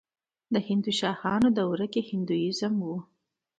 د هندوشاهیانو دوره کې هندویزم و